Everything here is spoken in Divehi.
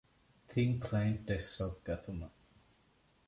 ތިން ކްލައިންޓް ޑެސްކްޓޮޕް ގަތުމަށް